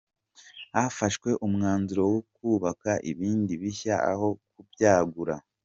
Hafashwe umwanzuro wo kubaka ibindi bishya aho kubyagura.